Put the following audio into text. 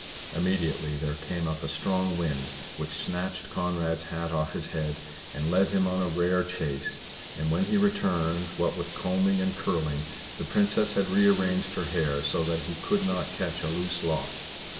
Immediately there came a strong wind, which snatched Conrad's hat off his head, and led him a rare chase; and when he returned what with combing and curling, the Princess had rearranged her hair, so that he could not catch a loose lock.